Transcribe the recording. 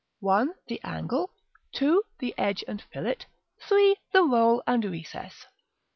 The Angle. 2. The Edge and Fillet. 3. The Roll and Recess.